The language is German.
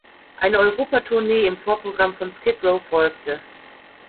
Eine Europatournee im Vorprogramm von Skid Row folgte.